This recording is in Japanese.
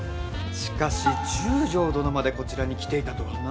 しかし中将殿までこちらに来ていたとはな。